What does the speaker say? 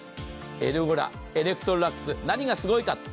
エルゴラ、エレクトロラックス何がすごいか。